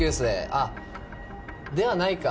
あっではないか。